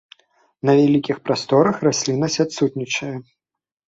На вялікіх прасторах расліннасць адсутнічае.